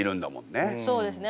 そうですね。